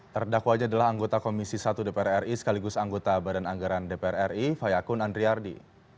terdakwanya adalah anggota komisi satu dpr ri sekaligus anggota badan anggaran dpr ri fayakun andriardi